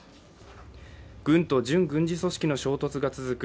軍と準軍事組織の衝突が続く